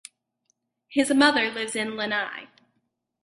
His mother lives in Lanai.